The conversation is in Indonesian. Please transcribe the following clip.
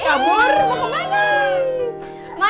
eh kabur mau kemana